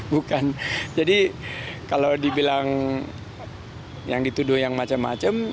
bukan jadi kalau dibilang yang dituduh yang macam macam